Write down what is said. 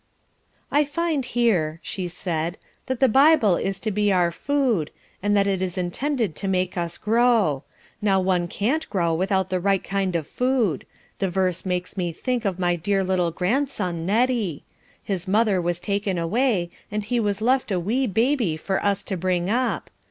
"I find here," she said, "that the Bible is to be our food, and that it is intended to make us grow. Now one can't grow without the right kind of food. The verse makes me think of my dear little grandson Neddie. His mother was taken away, and he was left a wee baby for us to bring up.